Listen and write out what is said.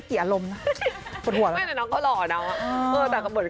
ผมก็อยู่ผมปกตินะ